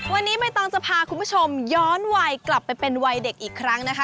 วันนี้ใบตองจะพาคุณผู้ชมย้อนวัยกลับไปเป็นวัยเด็กอีกครั้งนะคะ